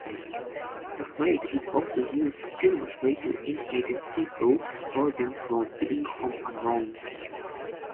The phrase is also used humorously to indicate simple boredom from being home alone.